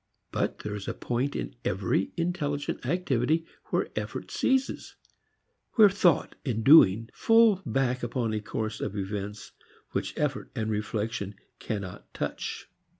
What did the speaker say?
But there is a point in every intelligent activity where effort ceases; where thought and doing fall back upon a course of events which effort and reflection cannot touch.